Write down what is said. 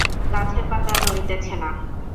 গাছের পাতা নড়িতেছে না।